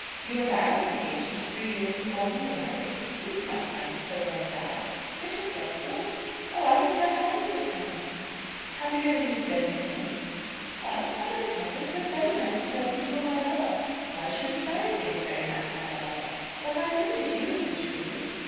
You and I were engaged for three years before we were married, and we did not find it so very bad." "It was very good. Oh, I was so happy at the time." "Happier than you've been since?" "Well; I don't know. It was very nice to know that you were my lover." "Why shouldn't Mary think it very nice to have a lover?" "But I knew that you would be true."